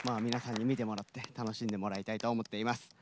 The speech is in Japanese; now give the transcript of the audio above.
皆さんに見てもらって楽しんでもらいたいと思っています。